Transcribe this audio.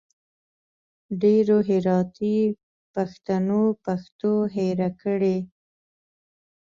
ډېرو هراتي پښتنو پښتو هېره کړي